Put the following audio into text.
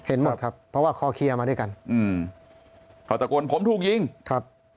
เห็นหมดครับเพราะว่าคอเคลียร์มาด้วยกันอืมคอตะโกนผมถูกยิงครับ